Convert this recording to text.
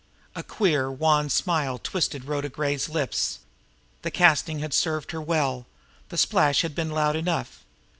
A queer, wan smile twisted Rhoda Gray's lips. The casting had served her well; the splash had been loud enough!